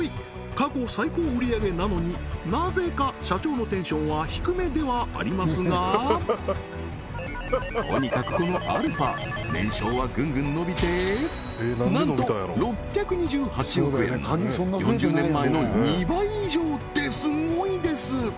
過去最高売り上げなのになぜか社長のテンションは低めではありますがとにかくこのアルファ年商はぐんぐん伸びてなんと６２８億円ってすごいです！